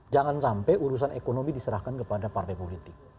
jangan sampai urusan ekonomi diserahkan kepada partai politik